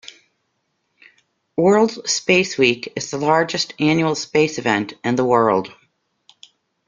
World Space Week is the largest annual space event in the world.